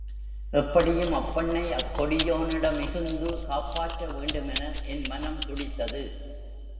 எப்படியும் அப்பெண்ணை அக்கொடியோனிடமிகுந்து காப்பாற்ற வேண்டுமென என் மனம் துடித்தது.